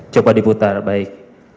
coba diputar baik